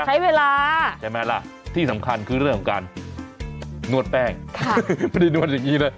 ใช้เวลาใช่ไหมล่ะที่สำคัญคือเรื่องของการนวดแป้งไม่ได้นวดอย่างนี้เลย